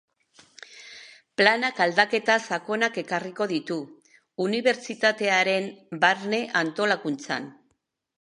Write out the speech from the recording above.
Planak aldaketa sakonak ekarriko ditu unibertsitatearen barne antolakuntzan.